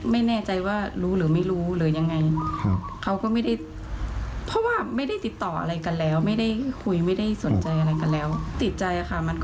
มันก็ไม่ได้เป็นอย่างที่เขาพูดทั้งหมด